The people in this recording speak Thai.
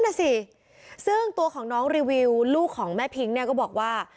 น่ะสิซึ่งตัวของน้องรีวิวลูกของแม่พิ้งเนี่ยก็บอกว่า